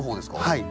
はい。